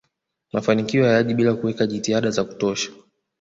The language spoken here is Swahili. mafanikio hayaji bila kuweka jitihada za kutosha